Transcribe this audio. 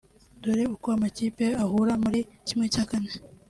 Dore uko amakipe azahura muri ¼